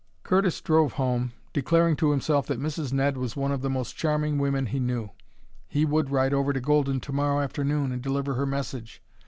Curtis drove home, declaring to himself that Mrs. Ned was one of the most charming women he knew. He would ride over to Golden to morrow afternoon and deliver her message.